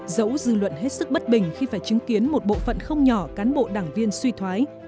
dẫu dư luận hết sức bất bình khi phải chứng kiến một bộ phận không nhỏ cán bộ đảng viên suy thoái